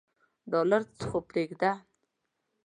ډالر خو پریږده.